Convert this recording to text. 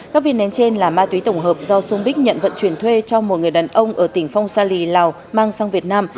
các viên nén trên là ma túy tổng hợp do son bích nhận vận chuyển thuê cho một người đàn ông ở tỉnh phong sa lì lào mang sang việt nam